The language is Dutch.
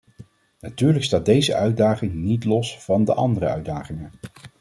Natuurlijk staat deze uitdaging niet los van de andere uitdagingen.